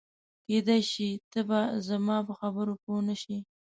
کېدای شي ته به زما په خبرو پوه نه شې.